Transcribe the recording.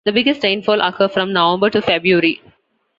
The biggest rainfall occur from November to February.